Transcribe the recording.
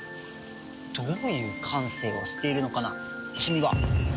どういう感性をしているのかな君は。